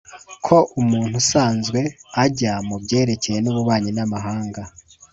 ko umuntu usanzwe ajya mu byerekeye n’ububanyi n’amahanga